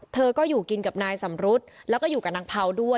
เธอก็อยู่กินกับนายสำรุษแล้วก็อยู่กับนางเผาด้วย